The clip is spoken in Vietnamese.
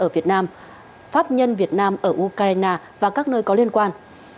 và pháp nhân việt nam ở ukraine và các nơi có liên quan